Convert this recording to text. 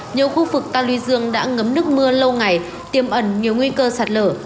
nhiều khu vực tân y dương đã ngấm nước mưa lâu ngày tiềm ẩn nhiều nguy cơ sạt lở